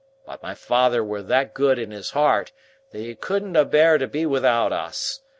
But my father were that good in his hart that he couldn't abear to be without us.